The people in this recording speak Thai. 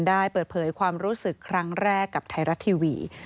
ได้เปิดเผยความรู้สึกครั้งแรกกับไทยรัฐทีวี